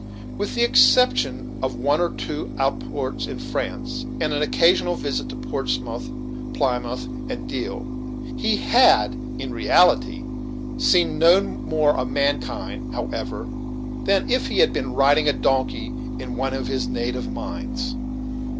With the exception of one or two outports in France, and an occasional visit to Portsmouth, Plymouth, and Deal, he had in reality seen no more of mankind, however, than if he had been riding a donkey in one of his native mines.